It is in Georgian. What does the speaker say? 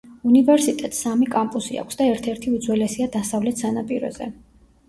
უნივერსიტეტს სამი კამპუსი აქვს და ერთ-ერთი უძველესია დასავლეთ სანაპიროზე.